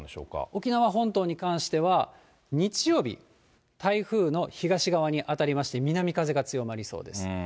沖縄本島に関しては、日曜日、台風の東側に当たりまして、南風が強まりそうです。